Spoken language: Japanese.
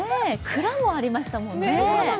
蔵もありましたもんね。